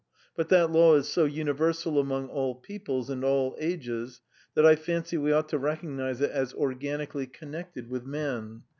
But that law is so universal among all peoples and all ages that I fancy we ought to recognise it as organically connected with man.